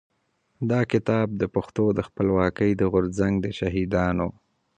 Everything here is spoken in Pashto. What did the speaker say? دا کتاب د پښتنو د خپلواکۍ د غورځنګ د شهيدانو.